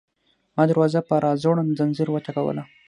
ما دروازه په راځوړند ځنځیر وټکوله.